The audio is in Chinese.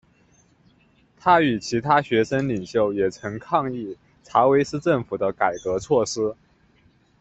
他与其他学生领袖也曾抗议查韦斯政府的改革措施。